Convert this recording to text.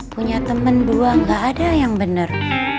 punya temen dua gak ada yang bener